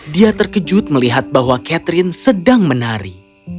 dia terkejut melihat bahwa catherine sedang menari